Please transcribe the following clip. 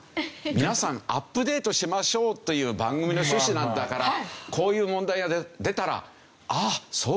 皆さんアップデートしましょうという番組の趣旨なんだからこういう問題が出たら「あっそうか！